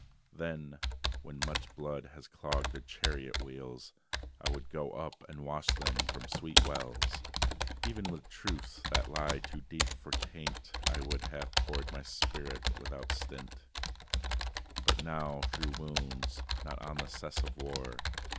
Then, when much blood had clogged their chariots wheels, I would go up and wash them from sweet wells. Even with truths that lie too deep for taint I would have poured my spirit without stint. But not through wounds; not on the cess of war.